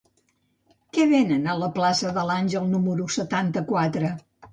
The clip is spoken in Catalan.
Què venen a la plaça de l'Àngel número setanta-quatre?